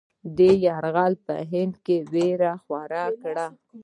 دا یرغل په هند کې وېره خوره کړه.